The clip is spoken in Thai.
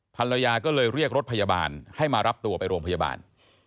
ภรรยาก็เลยเรียกรถพยาบาลให้มารับตัวไปโรงพยาบาล